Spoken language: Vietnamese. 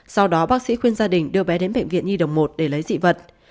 sau đó bác sĩ khuyên gia đình đưa bé đến bệnh viện nhi đồng một để lấy dị vật